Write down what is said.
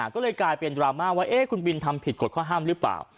ก็เลยกลายเป็นดราม่าว่าคุณบินทำผิดกฎข้อห้ามหรือเปล่า